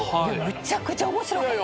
むちゃくちゃ面白かった。